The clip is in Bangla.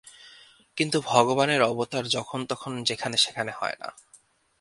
কিন্তু ভগবানের অবতার যখন তখন যেখানে সেখানে হয় না।